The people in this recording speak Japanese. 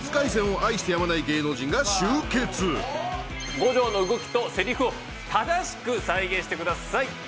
今宵は五条の動きとセリフを正しく再現してください。